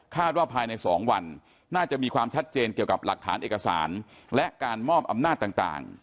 ว่าภายใน๒วันน่าจะมีความชัดเจนเกี่ยวกับหลักฐานเอกสารและการมอบอำนาจต่าง